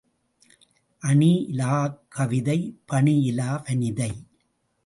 அணி இலாக் கவிதை பணி இலா வனிதை.